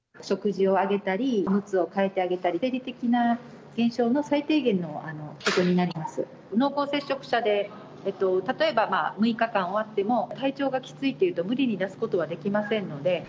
食事をあげたり、おむつを替えてあげたり、生理的な現象の最低限のことになります。濃厚接触者で、例えば、６日間終わっても、体調がきついというと無理に出すことはできませんので。